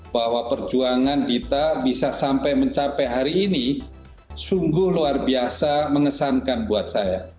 bahwa perjuangan dita bisa sampai mencapai hari ini sungguh luar biasa mengesankan buat saya